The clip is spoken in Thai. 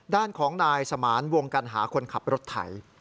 ด้านของนายสมานวงกัณหาคนขับรถไถ